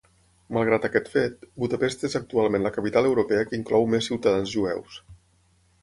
Malgrat aquest fet, Budapest és actualment la capital europea que inclou més ciutadans jueus.